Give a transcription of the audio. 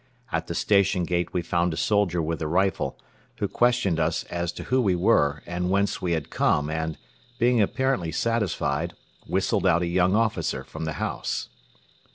At the station gate we found a soldier with a rifle, who questioned us as to who we were and whence we had come and, being apparently satisfied, whistled out a young officer from the house.